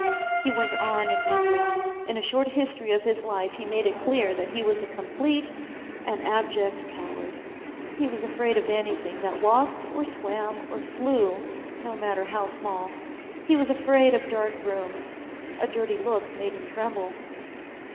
He went on in detail. In a short history of his life he made it clear that he was a complete and abject coward. He was afraid of anything that walked or swam or flew, no matter how small. He was afraid of dark rooms. A dirty look made him tremble.